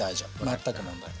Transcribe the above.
全く問題ない。